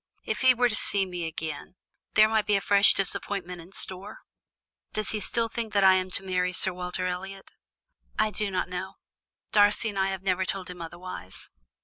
If he were to see me again, there might be a fresh disappointment in store. Does he still think I am to marry Sir Walter Elliot?" "I do not know. Darcy and I have never told him otherwise."